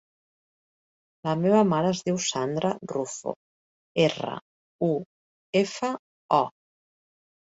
La meva mare es diu Sandra Rufo: erra, u, efa, o.